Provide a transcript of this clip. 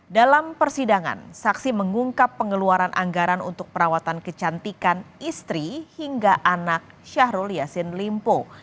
dalam persidangan saksi mengungkap pengeluaran anggaran untuk perawatan kecantikan istri hingga anak syahrul yassin limpo